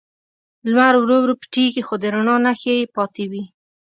لمر ورو ورو پټیږي، خو د رڼا نښې یې پاتې وي.